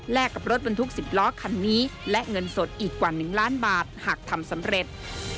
กับรถบรรทุก๑๐ล้อคันนี้และเงินสดอีกกว่า๑ล้านบาทหากทำสำเร็จ